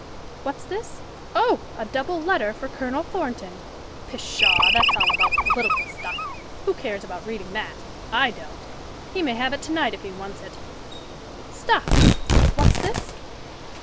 "What's this? oh! a double letter for Colonel Thornton pshaw! that's all about political stuff! Who cares about reading that? I don't! He may have it to night if he wants it! Stop! what's this?